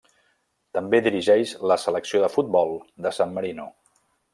També dirigeix la selecció de futbol de San Marino.